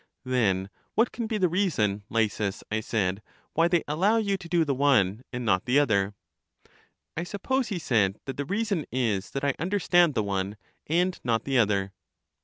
Then what can be the reason. Lysis, I said, why they allow you to do the one and not the other ? I suppose, he said, that the reason is that I under stand the one, and not the other.